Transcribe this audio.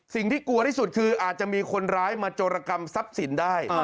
กลัวที่สุดคืออาจจะมีคนร้ายมาโจรกรรมทรัพย์สินได้